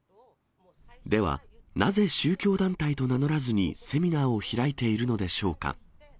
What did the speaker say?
では、なぜ宗教団体と名乗らずに、セミナーを開いているのでしょうか。